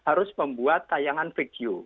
harus membuat tayangan video